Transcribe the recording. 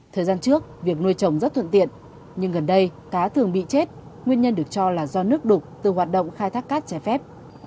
thời gian trước việc nuôi trồng rất thuận tiện nhưng gần đây cá thường bị chết nguyên nhân được cho là do nước đục từ hoạt động khai thác cát trái phép